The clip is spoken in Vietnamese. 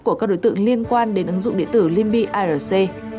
của các đối tượng liên quan đến ứng dụng địa tử limbyrc